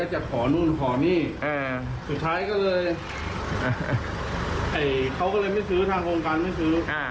จะขอนู่นขอนี่สุดท้ายก็เลยเขาก็เลยไม่ซื้อทางองค์การไม่ซื้อ